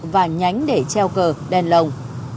và nhánh để treo cờ đen lồng